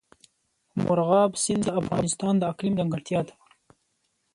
مورغاب سیند د افغانستان د اقلیم ځانګړتیا ده.